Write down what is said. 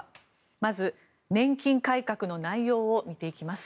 まず、年金改革の内容を見ていきます。